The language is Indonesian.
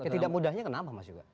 tidak mudahnya kenapa mas juga